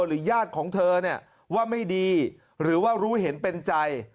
ญาติของเธอเนี่ยว่าไม่ดีหรือว่ารู้เห็นเป็นใจ